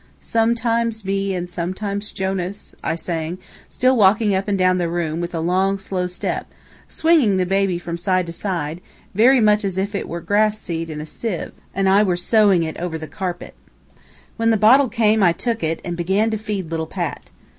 "Some times me, and some times Jonas," I sang, still walking up and down the room with a long, slow step, swinging the baby from side to side, very much as if it were grass seed in a sieve, and I were sowing it over the carpet. When the bottle came, I took it, and began to feed little Pat.